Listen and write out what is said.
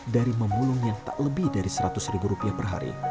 dari memulung yang tak lebih dari seratus ribu rupiah per hari